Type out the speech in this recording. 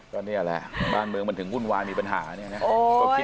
ก็นี่แหละบ้านเมืองมันถึงวุ่นวายมีปัญหาเนี่ยนะ